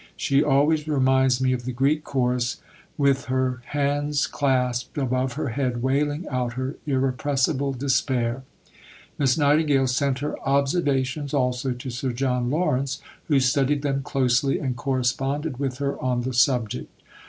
She always reminds me of the Greek chorus with her hands clasped above her head wailing out her irrepressible despair." Miss Nightingale sent her "Observations" also to Sir John Lawrence, who studied them closely, and corresponded with her on the subject.